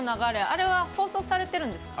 あれは放送されてるんですか？